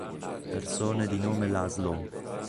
Persone di nome László